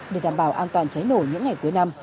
để đảm bảo an toàn cháy nổ những ngày cuối năm